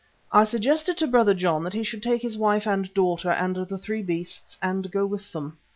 I suggested to Brother John that he should take his wife and daughter and the three beasts and go with them.